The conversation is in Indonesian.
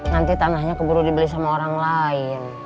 nanti tanahnya keburu dibeli sama orang lain